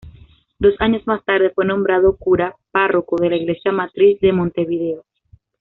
Dos años más tarde fue nombrado cura párroco de la Iglesia Matriz de Montevideo.